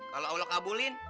kalau allah kabulin